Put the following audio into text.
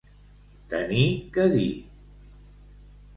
Tenir què dir.